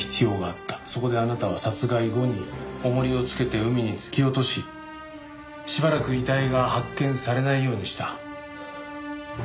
そこであなたは殺害後に重りをつけて海に突き落とししばらく遺体が発見されないようにした。